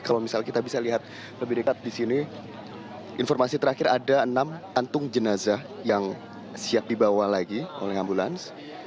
kalau misalnya kita bisa lihat lebih dekat di sini informasi terakhir ada enam kantung jenazah yang siap dibawa lagi oleh ambulans